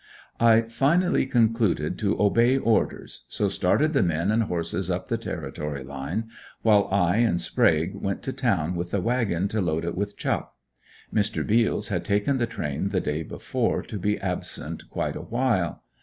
I finally concluded to obey orders, so started the men and horses up the Territory line, while I and Sprague went to town with the wagon to load it with chuck. Mr. Beals had taken the train the day before to be absent quite a while.